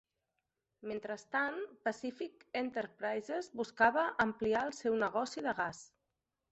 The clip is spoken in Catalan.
Mentrestant, Pacific Enterprises buscava ampliar el seu negoci de gas.